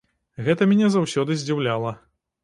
Гэта мяне заўсёды здзіўляла.